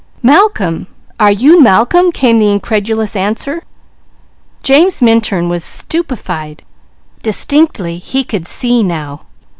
"Malcolm! Are you Malcolm?" came the incredulous answer. James Minturn was stupefied. Distinctly he could see now.